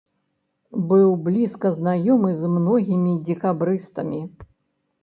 Быў блізка знаёмы з многімі дзекабрыстамі.